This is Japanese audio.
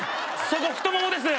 そこ太ももです